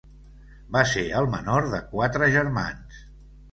Va ser el menor de quatre germans.